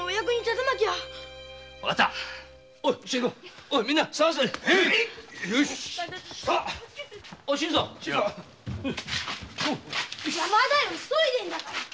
邪魔だよ急いでるんだ！